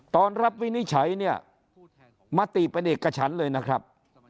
ตอนรับวินิจฉัยเนี่ยมติเป็นเอกฉันเลยนะครับ